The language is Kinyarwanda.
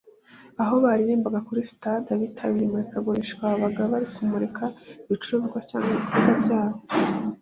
aho baririmbaga kuri za stands abitabiriye imurikagurisha babaga bari kumurika ibicuruzwa cyangwa ibikorwa byabo